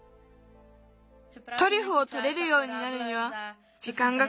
トリュフをとれるようになるにはじかんがかかる。